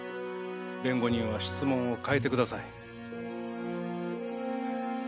弁護人は質問を変えてください。